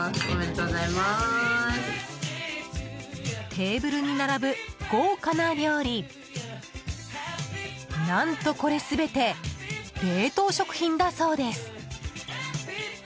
テーブルに並ぶ豪華な料理何と、これ全て冷凍食品だそうです。